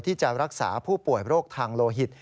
ที่จะรักษาผู้ป่วยโรคทางโลหิต